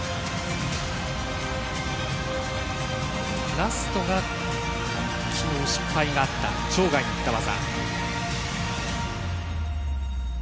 ラストは昨日、失敗があった場外になった技。